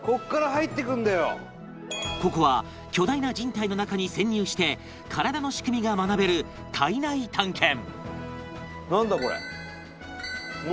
ここは巨大な人体の中に潜入して体の仕組みが学べる体内探検